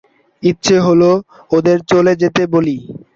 ইচ্ছে হল ওদের চলে যেতে বলি।